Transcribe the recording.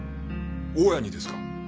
大家にですか？